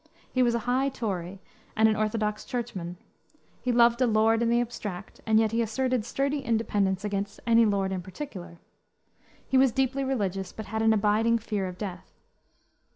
He was a high Tory, and an orthodox churchman; he loved a lord in the abstract, and yet he asserted a sturdy independence against any lord in particular. He was deeply religious, but had an abiding fear of death.